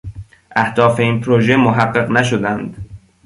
اهداف این پروژه محقق نشدند